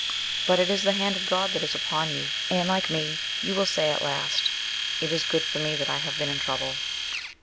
But it is the hand of God that is upon you, and, like me, you will say at last, "It is good for me that I have been in trouble."